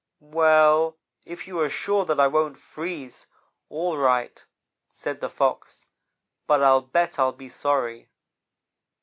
"'Well if you are sure that I won't freeze, all right,' said the Fox, 'but I'll bet I'll be sorry.'